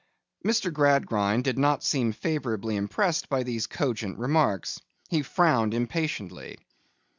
Mr. Gradgrind did not seem favourably impressed by these cogent remarks. He frowned impatiently.